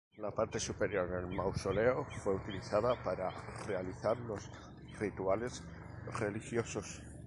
La parte superior del mausoleo fue utilizada para realizar los rituales religiosos.